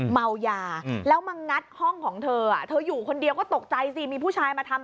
เมายาแล้วมางัดห้องของเธอเธออยู่คนเดียวก็ตกใจสิมีผู้ชายมาทำ